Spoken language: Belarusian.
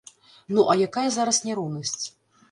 Ну а якая зараз няроўнасць?